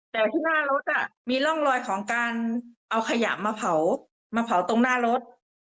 แต่ที่หน้ารถมีร่องรอยของการเอาขยะมาเผามาเผาตรงหน้ารถ